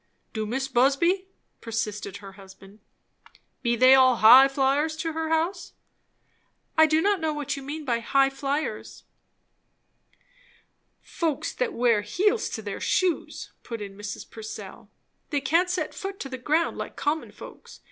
"Do Mis' Busby?" persisted her husband. "Be they all highflyers, to her house?" "I do not know what you mean by 'highflyers.'" "Folks that wears heels to their shoes," put in Mrs. Purcell. "They can't set foot to the ground, like common folks.